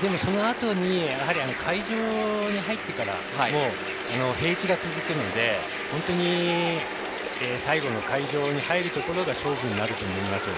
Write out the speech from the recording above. でも、そのあとに会場に入ってからも平地が続くので、本当に最後の会場に入るところが勝負になると思います。